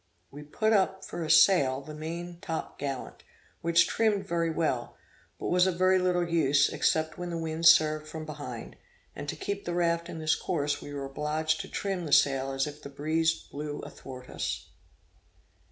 We put up for a sail the main top gallant, which trimmed very well, but was of very little use, except when the wind served from behind; and to keep the raft in this course, we were obliged to trim the sail as if the breeze blew athwart us.